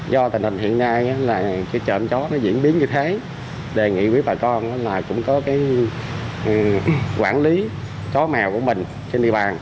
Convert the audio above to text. do tình hình hiện nay trộm chó diễn biến như thế đề nghị với bà con là cũng có quản lý chó mèo của mình trên địa bàn